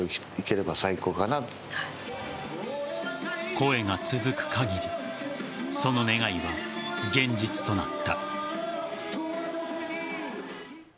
声が続く限りその願いは現実となった。